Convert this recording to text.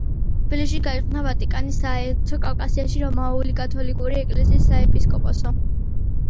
თბილისში გაიხსნა ვატიკანის საელჩო, კავკასიაში რომაულ-კათოლიკური ეკლესიის საეპისკოპოსო.